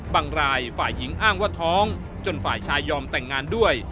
รายฝ่ายหญิงอ้างว่าท้องจนฝ่ายชายยอมแต่งงานด้วย